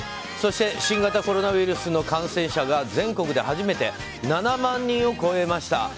そして新型コロナウイルスの感染者が全国で初めて７万人を超えました。